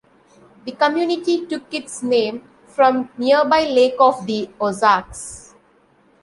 The community took its name from nearby Lake of the Ozarks.